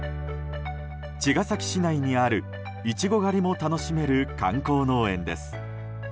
茅ヶ崎市内にあるイチゴ狩りも楽しめる観光農園です。